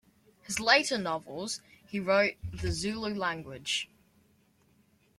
His later novels, he wrote in the Zulu language.